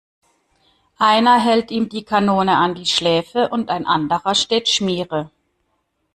Einer hält ihm die Kanone an die Schläfe und ein anderer steht Schmiere.